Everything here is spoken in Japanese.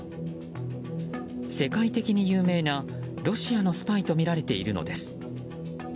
世界的に有名なロシアのスパイとみられているのです。